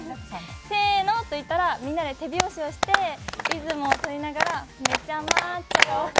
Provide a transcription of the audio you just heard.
せーの！」と言ったら、みんなで手拍子をして、リズムを取りながら